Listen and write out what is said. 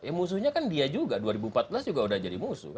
ya musuhnya kan dia juga dua ribu empat belas juga udah jadi musuh